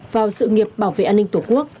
vào sự nghiệp bảo vệ an ninh tổ quốc